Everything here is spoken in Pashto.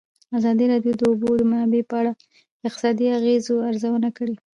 ازادي راډیو د د اوبو منابع په اړه د اقتصادي اغېزو ارزونه کړې.